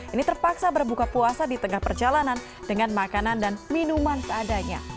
ini terpaksa berbuka puasa di tengah perjalanan dengan makanan dan minuman seadanya